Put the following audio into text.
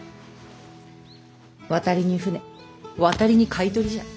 渡りに船渡りにかいとりじゃ。